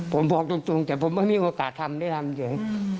ผมบอกจริงแต่ผมไม่มีโอกาสทำได้ทำอย่างนี้